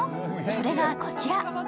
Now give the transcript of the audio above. それがこちら。